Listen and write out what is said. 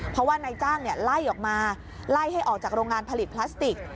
เพราะว่านายจ้างไล่ออกมาไล่ให้ออกจากโรงงานผลิตพลาสติก